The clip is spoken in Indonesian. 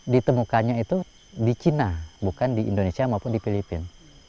ditemukannya itu di china bukan di indonesia maupun di filipina